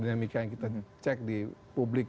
dinamika yang kita cek di publik